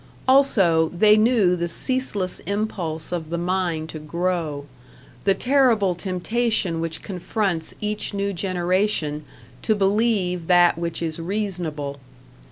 Also, they knew the ceaseless impulse of the mind to grow; the terrible temptation which confronts each new generation to believe that which is reasonable.